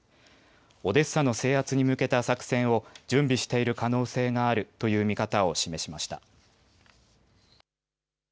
オデッサの制圧に向けた作戦を準備している可能性があるという見方を示しました。